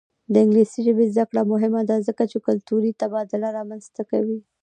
د انګلیسي ژبې زده کړه مهمه ده ځکه چې کلتوري تبادله رامنځته کوي.